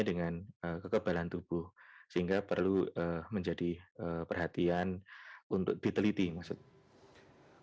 dengan kekebalan tubuh sehingga perlu menjadi perhatian untuk diteliti maksudnya